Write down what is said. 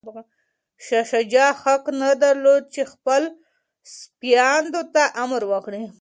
شاه شجاع حق نه درلود چي خپلو سپایانو ته امر وکړي.